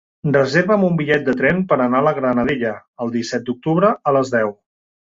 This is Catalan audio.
Reserva'm un bitllet de tren per anar a la Granadella el disset d'octubre a les deu.